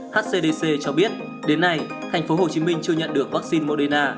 hcdc cho biết đến nay tp hcm chưa nhận được vaccine moderna